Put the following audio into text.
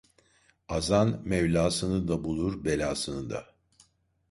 Azan Mevlasını da bulur, belasını da.